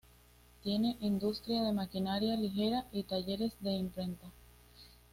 Tiene industria de maquinaria ligera y talleres de imprenta.